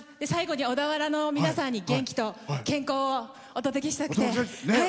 最後に小田原の皆さんに元気と健康をお届けしたくて。